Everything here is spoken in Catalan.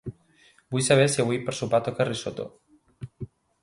Vull saber si avui per sopar toca risotto.